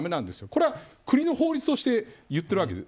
これは国の法律として言っているわけです。